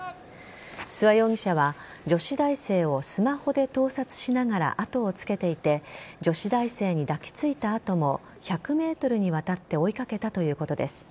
諏訪容疑者は女子大生をスマホで盗撮しながら後をつけていて女子大生に抱きついた後も１００ｍにわたって追いかけたということです。